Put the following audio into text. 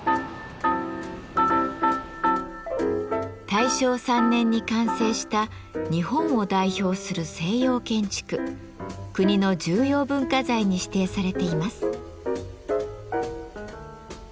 大正３年に完成した日本を代表する西洋建築国の重要文化財に指定されています。